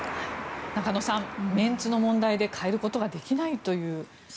中野さん、メンツの問題で変えることができないと。